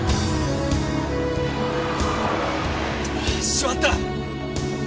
しまった！